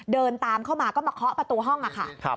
เดินตามเข้ามาก็มาเคาะประตูห้องค่ะ